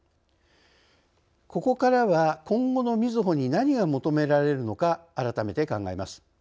ここからは今後のみずほに何が求められるのか改めて考えます。